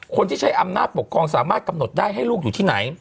คนที่ใช้อำนาจปกครองสามารถกำหนดได้ให้ลูกอยู่ที่ไหน